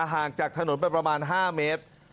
ห่างจากถนนไปประมาณ๕เมตร